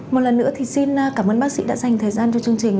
một lần nữa thì xin cảm ơn bác sĩ đã dành thời gian cho chương trình